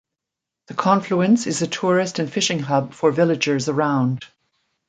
The confluence is a tourist and fishing hub for villagers around.